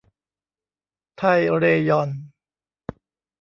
ไทยเรยอน